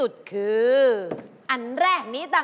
๗๐บาท